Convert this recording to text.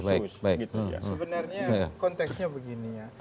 sebenarnya konteksnya begini ya